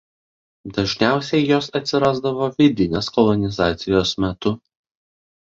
Dažniausiai jos atsirasdavo vidinės kolonizacijos metu.